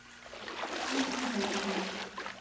Тут ёсць некалькі думак.